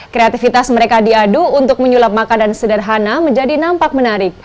kreativitas mereka diadu untuk menyulap makanan sederhana menjadi nampak menarik